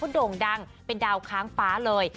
โด่งดังเป็นดาวค้างฟ้าเลย